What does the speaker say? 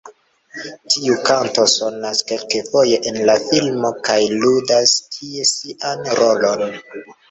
Tiu kanto sonas kelkfoje en la filmo kaj ludas tie sian rolon.